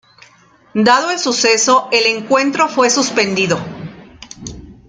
Dado al suceso, el encuentro fue suspendido.